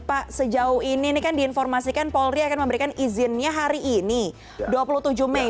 pak sejauh ini ini kan diinformasikan polri akan memberikan izinnya hari ini dua puluh tujuh mei